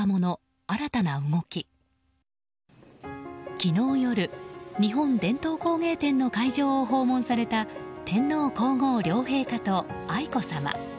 昨日夜、日本伝統工芸展の会場を訪問された天皇・皇后両陛下と愛子さま。